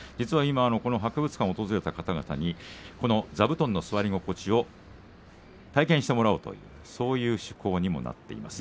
この博物館を訪れた方々に座布団の座り心地を体験してもらおうとそういう趣向にもなっています。